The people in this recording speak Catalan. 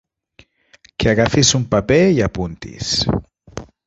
Que agafis un paper i apuntis.